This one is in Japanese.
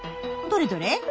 どれどれ？